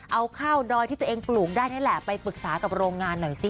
เอาข้าวดอยที่ตัวเองปลูกได้นี่แหละไปปรึกษากับโรงงานหน่อยสิ